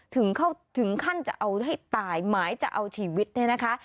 ถึงขั้นจะเอาให้ตายหมายจะเอาชีวิตเนี่ยนะคะ